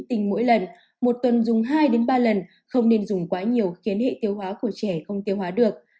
tinh mỗi lần một tuần dùng hai ba lần không nên dùng quá nhiều khiến hệ tiêu hóa của trẻ không tiêu hóa được